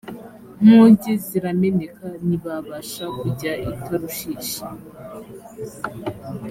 nkuge zirameneka ntibabasha kujya i tarushishi